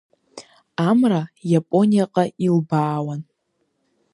Амра Иапониаҟа илбаауан.